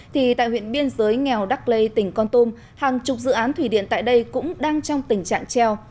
thì tại huyện biên giới nghèo đắk lê tỉnh con tôm hàng chục dự án thủy điện tại đây cũng đang trong tình trạng treo